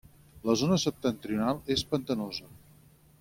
La zona septentrional és pantanosa.